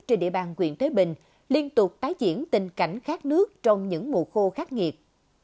trên địa bàn quyện thới bình liên tục tái diễn tình cảnh khát nước trong những mùa khô khắc nghiệt